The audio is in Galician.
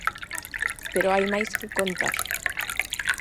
Pero hai máis que contar.